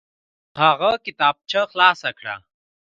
هغه کتابچه خلاصه کړه.